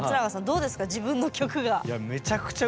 どうですか自分の曲が。